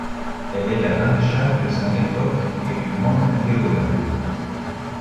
Elle est la Maréchale de son époque et une grande Léonore.